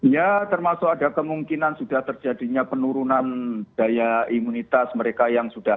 ya termasuk ada kemungkinan sudah terjadinya penurunan daya imunitas mereka yang sudah